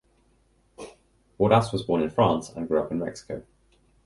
Bordas was born in France and grew up in Mexico.